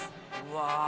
うわ。